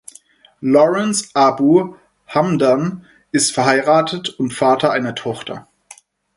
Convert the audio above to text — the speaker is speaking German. Lawrence Abu Hamdan ist verheiratet und Vater einer Tochter.